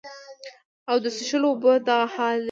او د څښلو اوبو دغه حال دے